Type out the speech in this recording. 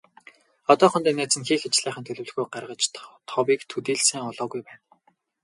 Одоохондоо найз нь хийх ажлынхаа төлөвлөгөөг гаргаж, товыг төдий л сайн олоогүй байна.